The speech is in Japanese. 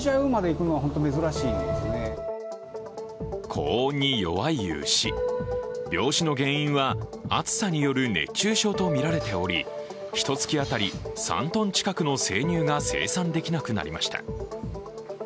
高温に弱い牛、病死の原因は暑さによる熱中症とみられておりひとつき当たり３ｔ近くの生乳が生産できなくなりました。